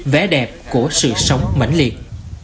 vẻ đẹp của sự sống mạnh liệt